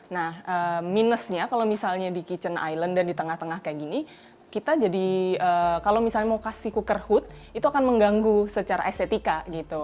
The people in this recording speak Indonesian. nah minusnya kalau misalnya di kitchen island dan di tengah tengah kayak gini kita jadi kalau misalnya mau kasih cooker hood itu akan mengganggu secara estetika gitu